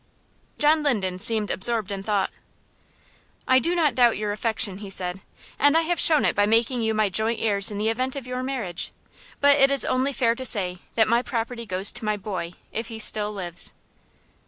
John Linden seemed absorbed in thought. "I do not doubt your affection," he said; "and I have shown it by making you my joint heirs in the event of your marriage; but it is only fair to say that my property goes to my boy, if he still lives."